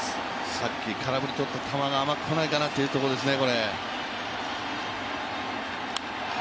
さっき空振り取った球が甘くこないかなというところですね。